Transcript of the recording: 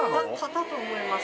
だと思います